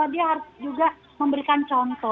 dia harus memberikan contoh